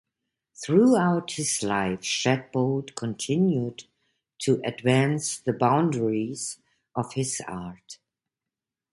Throughout his life, Shadbolt continued to advance the boundaries of his art.